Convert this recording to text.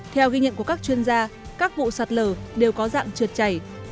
theo ghi nhận của các chuyên gia các vụ sạt lở đều có dạng trượt chảy